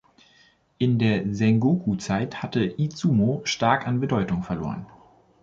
In der Sengoku-Zeit hatte Izumo stark an Bedeutung verloren.